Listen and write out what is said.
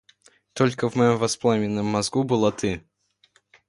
Только в моем воспаленном мозгу была ты!